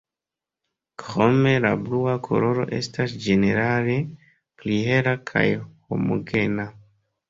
Krome la blua koloro estas ĝenerale pli hela kaj homogena.